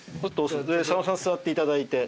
佐野さん座っていただいて。